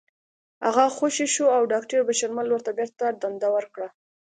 هغه خوشې شو او داکتر بشرمل ورته بېرته دنده ورکړه